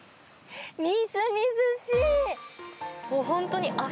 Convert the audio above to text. みずみずしい！